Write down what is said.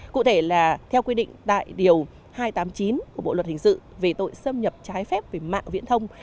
cụ thể là theo quy định tại điều hai trăm tám mươi chín của bộ luật hình sự về tội xâm nhập trái phép về mạng viễn thông